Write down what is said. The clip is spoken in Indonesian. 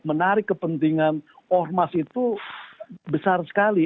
menarik kepentingan ormas itu besar sekali